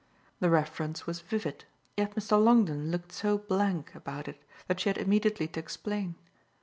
The reference was vivid, yet Mr. Longdon looked so blank about it that she had immediately to explain.